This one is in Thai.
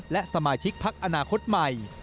และสมาชิกพักอนาคตใหม่